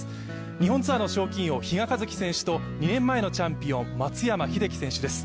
日本ツアーの賞金王、比嘉一貴選手と２年前のチャンピオン、松山英樹選手です。